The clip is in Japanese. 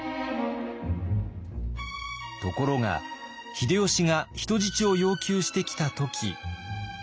ところが秀吉が人質を要求してきた時。